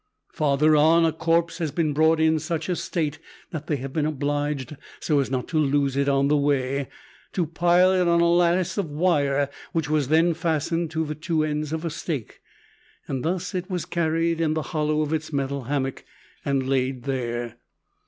Farther on, a corpse has been brought in in such a state that they have been obliged so as not to lose it on the way to pile it on a lattice of wire which was then fastened to the two ends of a stake. Thus was it carried in the hollow of its metal hammock, and laid there.